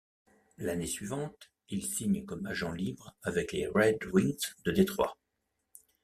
L'année suivante, il signe comme agent libre avec les Red Wings de Détroit.